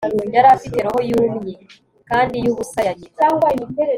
Yari afite roho yumye kandi yubusa ya nyina